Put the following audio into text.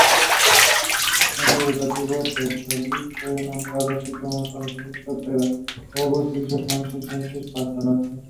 Centro Educativo Pestalozzi fue nombrado así como reconocimiento al pedagogo suizo Johannes Heinrich Pestalozzi.